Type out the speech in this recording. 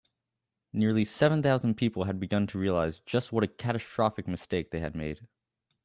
Nearly seven thousand people had begun to realise just what a catastrophic mistake they had made.